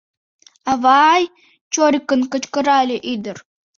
— Ава-ай!.. — чорикын кычкырале ӱдыр.